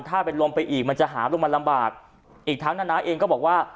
ถ้าเป็นลมไปอีกมันจะหาลงมาลำบากอีกทั้งนาเองก็บอกว่า